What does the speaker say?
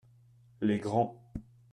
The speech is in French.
Les grands.